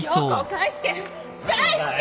返して